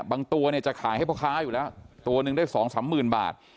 ตัวเนี่ยจะขายให้พ่อค้าอยู่แล้วตัวหนึ่งได้๒๓หมื่นบาท